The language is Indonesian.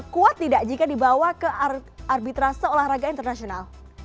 kuat tidak jika dibawa ke arbitra seolah raga internasional